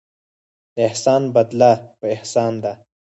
د احسان بدله په احسان ده.